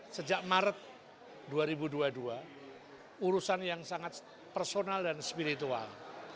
sejak maret dua ribu dua puluh dua urusan yang sangat personal dan spiritual